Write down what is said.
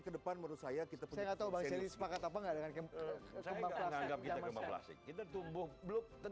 kedepan menurut saya kita punya atau bahwa ini sepakat apa enggak dengan kembang plastik kita